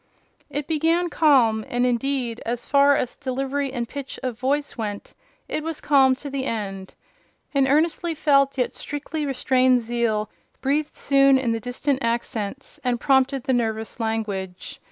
It began calm—and indeed, as far as delivery and pitch of voice went, it was calm to the end: an earnestly felt, yet strictly restrained zeal breathed soon in the distinct accents, and prompted the nervous language.